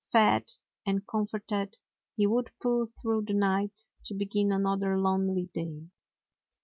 Fed and comforted, he would pull through the night to begin another lonely day.